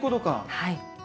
はい。